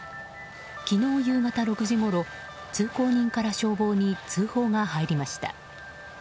昨日夕方６時ごろ通行人から消防に通報が入りました。